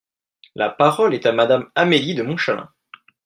La parole est à Madame Amélie de Montchalin.